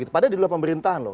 padahal di luar pemerintahan loh